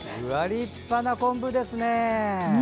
立派な昆布ですね！